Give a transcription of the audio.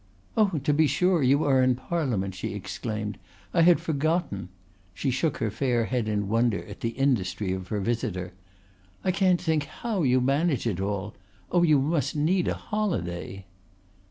"Oh, to be sure, you are in Parliament," she exclaimed. "I had forgotten." She shook her fair head in wonder at the industry of her visitor. "I can't think how you manage it all. Oh, you must need a holiday."